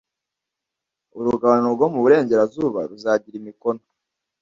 urugabano rwo mu burengerazuba ruzagira imikono